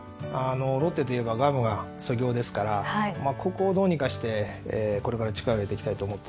ロッテといえばガムが祖業ですからここをどうにかしてこれから力を入れていきたいと思ってます。